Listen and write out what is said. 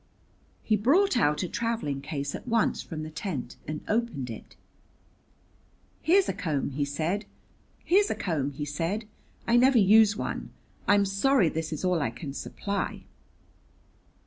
He brought out a traveling case at once from the tent and opened it. "Here's a comb," he said. "I never use one. I'm sorry this is all I can supply."